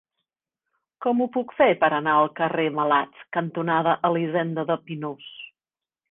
Com ho puc fer per anar al carrer Malats cantonada Elisenda de Pinós?